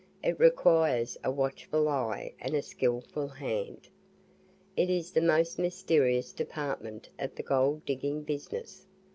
It requires a watchful eye and a skilful hand; it is the most mysterious department of the gold digging business.